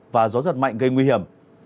và gió giật mạnh gây nguy hiểm